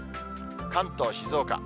関東、静岡。